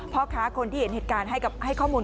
พ่อค้าคนที่เห็นเหตุการณ์ให้ข้อมูล